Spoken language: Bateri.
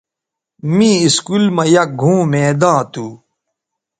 می اسکول مہ یک گھؤں میداں تھو